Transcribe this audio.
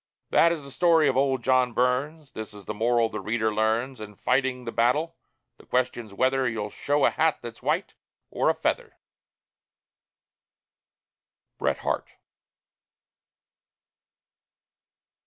That is the story of old John Burns; This is the moral the reader learns: In fighting the battle, the question's whether You'll show a hat that's white, or a feather. BRET HARTE.